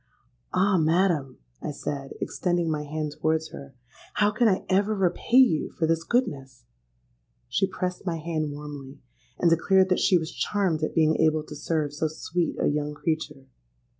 '—'Ah! madam,' I said, extending my hand towards her, 'how can I ever repay you for this goodness?'—She pressed my hand warmly, and declared that she was charmed at being able to serve so sweet a young creature.